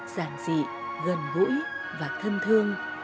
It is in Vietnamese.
dạng dị gần gũi và thân thương